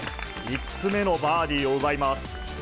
５つ目のバーディーを奪います。